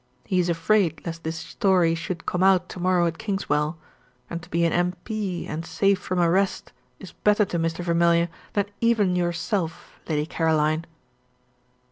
He is afraid lest this story should come out to morrow at Kingswell; and to be an M.P. and safe from arrest is better to Mr. Vermilye than even yourself, Lady Caroline."